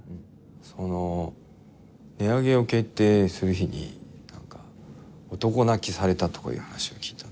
その値上げを決定する日に男泣きされたとかいう話を聞いた。